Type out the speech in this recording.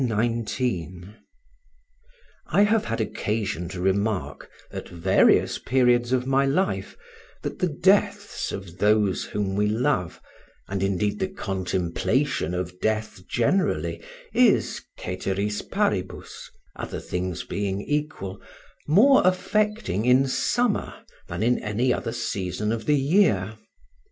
June 1819 I have had occasion to remark, at various periods of my life, that the deaths of those whom we love, and indeed the contemplation of death generally, is (cæteris paribus) more affecting in summer than in any other season of the year.